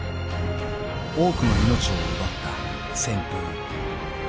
［多くの命を奪った］